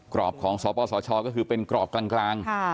กรอบของสปสชก็คือเป็นกรอบกลาง